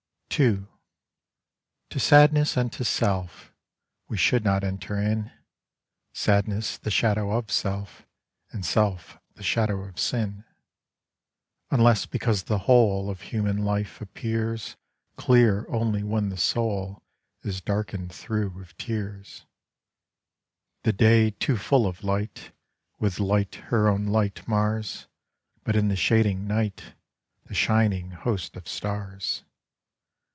II To sadness and to self We should not enter in— Sadness the shadow of self And self the shadow of sin— Unless because the whole Of human life appears Clear only when the soul Is darken'd thro' with tears. The day too full of light With light her own light mars; But in the shading night The shining host of stars.